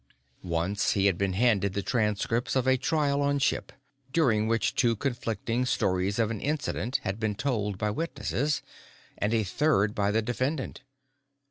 Once, he had been handed the transcripts of a trial on ship, during which two conflicting stories of an incident had been told by witnesses, and a third by the defendant.